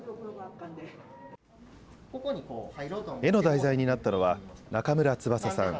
絵の題材になったのは、中村翼さん。